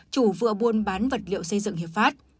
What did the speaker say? chủ vừa buôn bán vật liệu xây dựng hiệp pháp